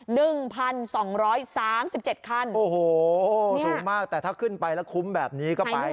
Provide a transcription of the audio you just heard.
หนึ่งพันสองร้อยสามสิบเจ็ดคันโอ้โหสูงมากแต่ถ้าขึ้นไปแล้วคุ้มแบบนี้ก็ไป